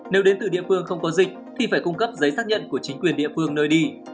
nếu đến từ địa phương không có dịch thì phải cung cấp giấy xác nhận của chính quyền địa phương nơi đi